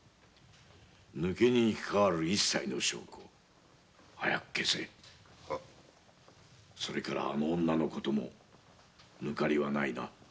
抜け荷にかかわる一切の証拠早く消せそれからあの女の事もぬかりはないな。